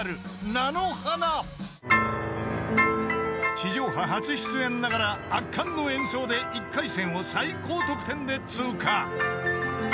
［地上波初出演ながら圧巻の演奏で１回戦を最高得点で通過］